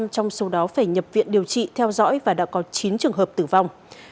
bốn mươi ba trong số đó phải nhập viện điều trị theo dõi và đã có chín trường hợp tử vong